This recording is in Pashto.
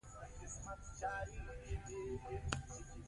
راځئ چې دا لاره ووهو.